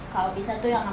kalau bisa tuh ya kita pilih